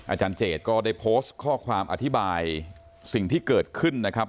อาจารย์เจดก็ได้โพสต์ข้อความอธิบายสิ่งที่เกิดขึ้นนะครับ